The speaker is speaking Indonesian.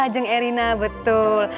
jeng erina betul